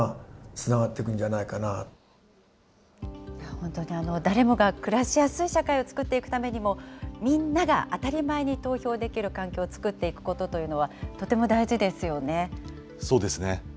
本当に誰もが暮らしやすい社会を作っていくためにも、みんなが当たり前に投票できる環境を作っていくことというのは、そうですね。